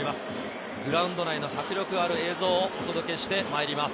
グラウンド内の迫力ある映像をお届けします。